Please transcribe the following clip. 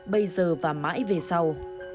bây giờ và mãi về sau